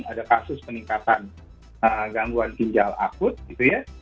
ada kasus peningkatan gangguan ginjal akut gitu ya